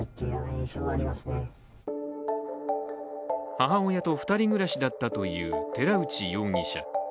母親と２人暮らしだったという寺内容疑者。